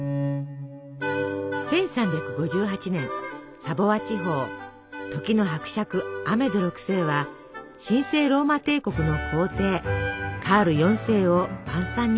１３５８年サヴォワ地方時の伯爵アメデ６世は神聖ローマ帝国の皇帝カール４世を晩餐に招きます。